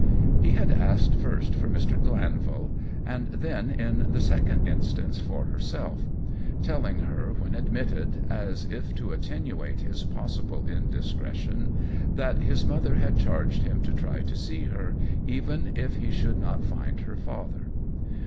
He had asked first for Mr. Glan vil, and then, in the second instance, for herself, telling her when admitted, as if to attenuate his possible indiscretion, that his THE WHEEL OF TIME 57 mother had charged him to try to see her, even if he should not find her father.